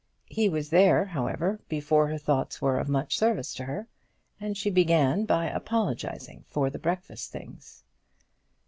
He was there, however, before her thoughts were of much service to her, and she began by apologising for the breakfast things.